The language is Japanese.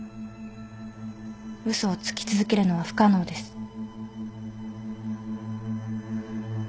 嘘をつき続けるのは不可能です。